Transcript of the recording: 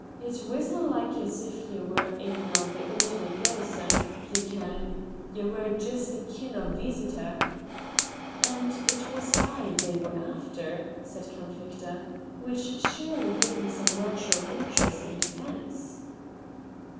It wisna like as if ye were ane o' the ordinar garrison, ye ken; ye were jist a kin' o' veesitor " "And it was I they were after," said Count Victor, "which surely gave me some natural interest in the defence."